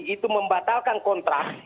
itu membatalkan kontrak